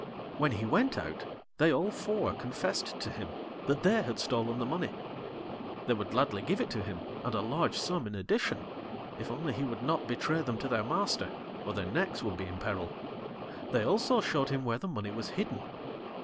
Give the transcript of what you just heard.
When he went out, they all four confessed to him that they had stolen the money; they would gladly give it to him and a large sum in addition, if only he would not betray them to their Master, or their necks would be in peril. They also showed him where the money was hidden.